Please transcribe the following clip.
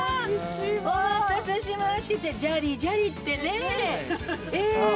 お待たせしましてジャリジャリってねえ。